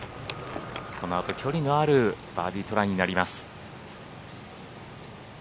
このあと、距離のあるバーディートライになります。